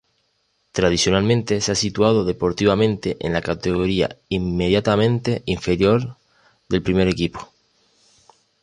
Tradicionalmente se ha situado deportivamente en la categoría inmediatamente inferior del primer equipo.